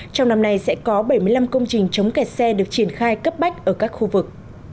trong năm nay sẽ có bảy mươi năm công trình chống kẹt xe được triển khai cấp bách ở các khu vực